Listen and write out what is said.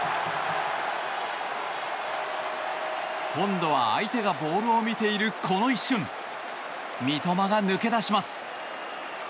今度は相手がボールを見ているこの一瞬三笘が抜け出します。